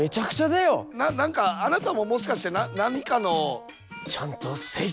な何かあなたももしかして何かの。ちゃんとせい。